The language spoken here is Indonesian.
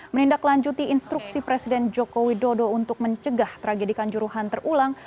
menindaklanjuti instruksi presiden joko widodo untuk mencegah tragedi kanjuruhan terulang